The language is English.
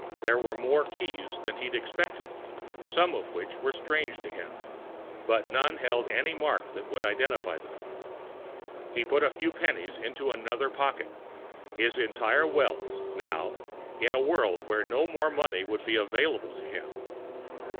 There were more keys than he'd expected, some of which were strange to him, but none held any mark that would identify them. He put a few pennies into another pocket his entire wealth, now, in a world where no more money would be available to him.